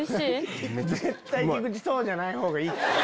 絶対菊池そうじゃない方がいい。